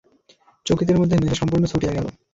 চকিতের মধ্যে নেশা সম্পূর্ণ ছুটিয়া গেল।